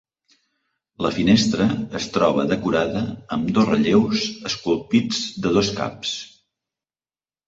La finestra es troba decorada amb dos relleus esculpits de dos caps.